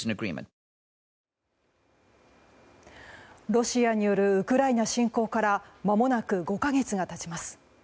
ロシアによるウクライナ侵攻からまもなく５か月が経ちます。